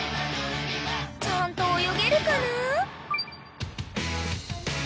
［ちゃんと泳げるかな？］